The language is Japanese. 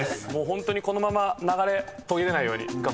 ホントにこのまま流れ途切れないように頑張ります。